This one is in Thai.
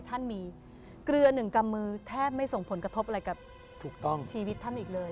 ท่านมีเกลือหนึ่งกำมือแทบไม่ส่งผลกระทบอะไรกับถูกต้องชีวิตท่านอีกเลย